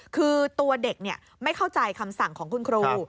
คือตัวเด็กไม่เข้าใจคำสั่งของคุณครู